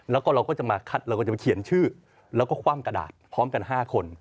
แล้วก็เราก็จะมาคัดเราก็จะมาเขียนชื่อแล้วก็คว่ำกระดาษพร้อมกัน๕คน